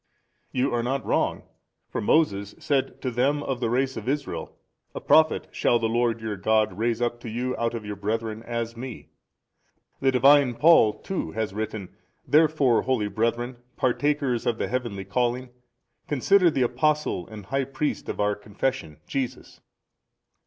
A. You are not wrong; for Moses said to them of the race of Israel, A Prophet shall the Lord your God raise up to you out of your brethren, as me: the Divine Paul too has written, Therefore, holy brethren, partakers of the heavenly calling, consider the Apostle and High priest of our confession Jesus.